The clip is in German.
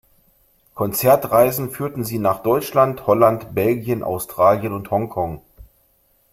Konzertreisen führten sie nach Deutschland, Holland, Belgien, Australien und Hongkong.